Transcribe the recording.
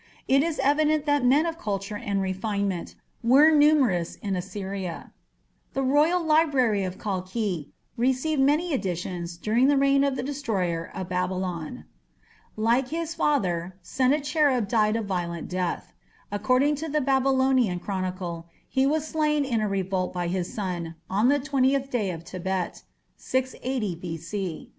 It is evident that men of culture and refinement were numerous in Assyria. The royal library of Kalkhi received many additions during the reign of the destroyer of Babylon. Like his father, Sennacherib died a violent death. According to the Babylonian Chronicle he was slain in a revolt by his son "on the twentieth day of Tebet" (680 B.C).